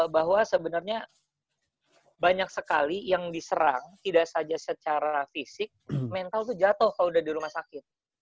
bahwa sebenernya banyak sekali yang diserang tidak saja secara fisik mental tuh jatoh kalo udah di rumah sakit